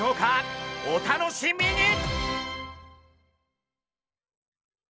お楽しみに！